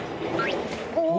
お！